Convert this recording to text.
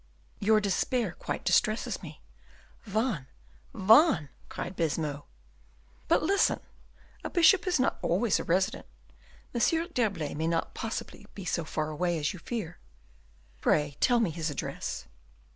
"Your despair quite distresses me." "Vannes, Vannes!" cried Baisemeaux. "But listen; a bishop is not always a resident. M. d'Herblay may not possibly be so far away as you fear." "Pray tell me his address."